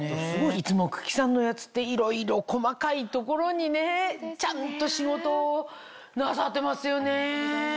いつも九鬼さんのやつっていろいろ細かい所にねちゃんと仕事なさってますよね。